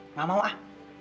nggak mau ah